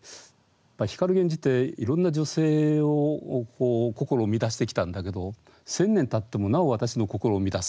光源氏っていろんな女性の心を乱してきたんだけど千年たってもなお私の心を乱す。